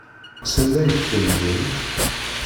Sanda ay ten-wwint?